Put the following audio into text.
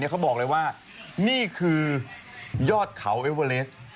เขาบอกเลยว่านี่คือยอดเขาเอเวอเลส